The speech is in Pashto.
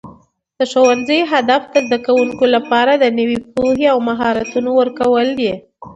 د ښوونځي هدف د زده کوونکو لپاره د نوي پوهې او مهارتونو ورکول دي.